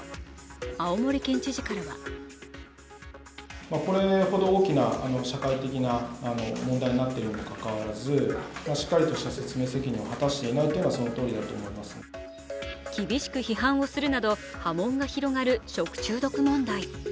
青森県知事からは厳しく批判をするなど波紋が広がる食中毒問題。